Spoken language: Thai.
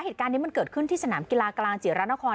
เหตุการณ์นี้มันเกิดขึ้นที่สนามกีฬากลางจิระนคร